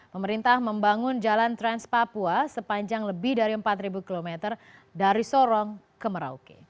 pemerintah membangun jalan trans papua sepanjang lebih dari empat km dari sorong ke merauke